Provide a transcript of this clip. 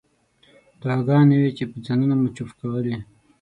دعاګانې وې چې په ځانونو مو چوف کولې.